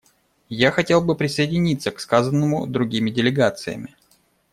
Я хотел бы присоединиться к сказанному другими делегациями.